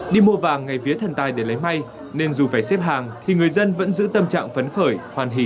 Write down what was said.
đi mua vàng ngày vía thần tài để lấy may nên dù phải xếp hàng thì người dân vẫn giữ tâm trạng phấn khởi hoan hỷ